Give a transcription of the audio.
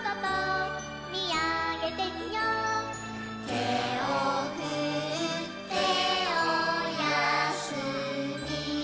「てをふっておやすみ」